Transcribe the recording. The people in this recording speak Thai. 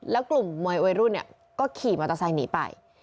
แล้วกลุ่มมวยวัยรุ่นก็ขี่มอเตอร์ไซค์หนีไป